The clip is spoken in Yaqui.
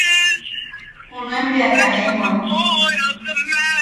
Junuen bea taʼewa.